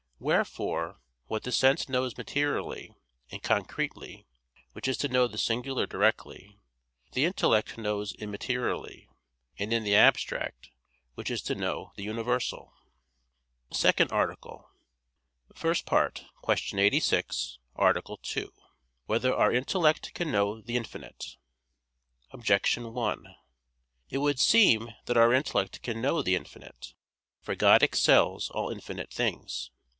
Wherefore what the sense knows materially and concretely, which is to know the singular directly, the intellect knows immaterially and in the abstract, which is to know the universal. _______________________ SECOND ARTICLE [I, Q. 86, Art. 2] Whether Our Intellect Can Know the Infinite? Objection 1: It would seem that our intellect can know the infinite. For God excels all infinite things.